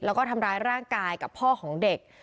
แล้วก็ทำร้ายร่างกายกับพ่อของเด็ก